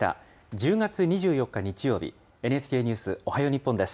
１０月２４日日曜日、ＮＨＫニュースおはよう日本です。